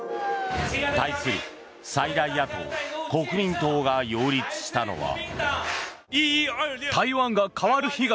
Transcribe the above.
対する最大野党・国民党が擁立したのは。